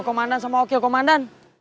gue tersayang tumpuk itu folklore